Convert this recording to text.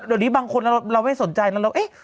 เดี๋ยวนี้บางคนเราไม่สนใจแล้วเราเอ๊ะ